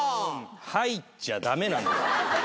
入っちゃダメなんだよ。